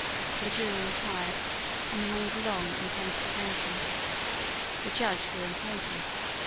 The jury retired, and remained long in consultation. The judge grew impatient.